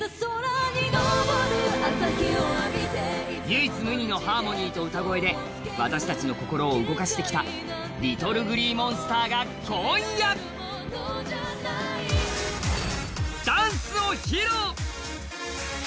唯一無二のハーモニーと歌声で私たちの心を動かしてきたＬｉｔｔｌｅＧｌｅｅＭｏｎｓｔｅｒが今夜ダンスを披露。